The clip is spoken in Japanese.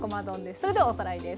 それではおさらいです。